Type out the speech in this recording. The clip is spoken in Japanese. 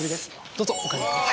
どうぞおかけください。